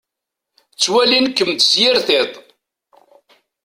Ttwalin-kem-id s yir tiṭ.